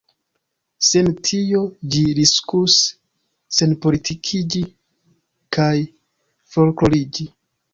Sen tio, ĝi riskus senpolitikiĝi kaj folkloriĝi.